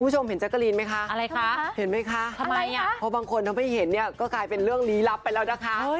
คุณผู้ชมเห็นแจ๊กกะรีนไหมคะเห็นไหมคะเพราะบางคนถ้าไม่เห็นก็กลายเป็นเรื่องลี้ลับไปแล้วนะคะ